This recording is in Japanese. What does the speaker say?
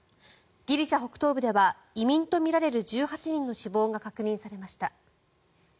ギリシャ北東部では移民とみられる１８人の死亡が確認されました。